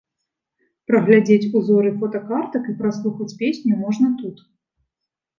Праглядзець узоры фотакартак і праслухаць песню можна тут.